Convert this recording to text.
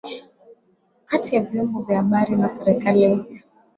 kati ya vyombo vya habari na serikali mpya